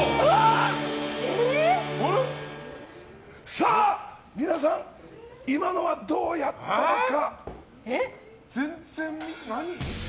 さあ、皆さん今のはどうやったか。